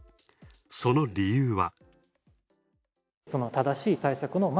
その理由は？